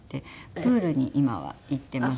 プールに今は行っています。